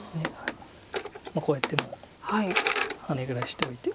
こうやってもハネぐらいしておいて。